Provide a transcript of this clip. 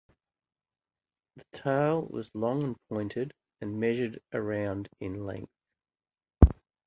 The tail was long and pointed, and measured around in length.